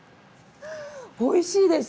おいしいです！